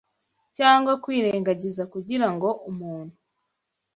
cyangwa kwirengagiza kugira ngo umuntu